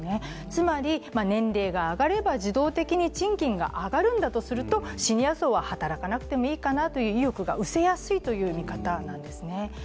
つまり年齢が上がれば自動的に賃金は上がるんだということから見るとシニア層は働かなくてもいいという意欲が失せやすいという見方なんですね。